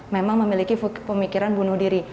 memang memiliki pemikiran bunuh diri